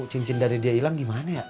cincin dari dia hilang gimana ya